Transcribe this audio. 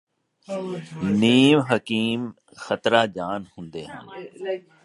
ਨੀਮ ਹਕੀਮ ਖ਼ਤਰਾ ਜਾਨ ਹੁੰਦੇ ਹਨ